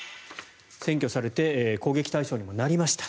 占拠されて攻撃対象にもなりました。